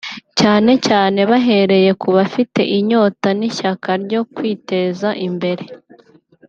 cyane cyane bahereye ku bafite inyota n’ishyaka ryo kwiteza imbere